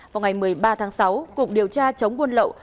vào ngày một mươi ba tháng sáu cục điều tra chống buôn lậu